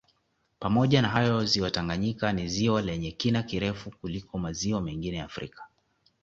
Pamoja na hayo ziwa Tanganyika ni ziwa lenye kina kirefu kuliko maziwa mengine Afrika